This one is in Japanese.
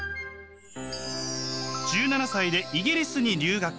１７歳でイギリスに留学。